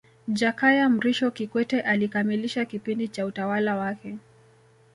Jakaya Mrisho Kikwete alikamilisha kipindi cha utawala wake